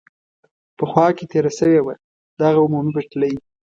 په خوا کې تېره شوې وه، دغه عمومي پټلۍ.